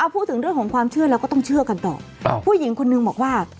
พูดถึงเรื่องของความเชื่อแล้วก็ต้องเชื่อกันต่อผู้หญิงคนนึงบอกว่า